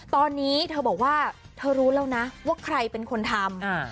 ตอนนี้เธอบอกว่าเธอรู้แล้วนะว่าใครเป็นคนทำ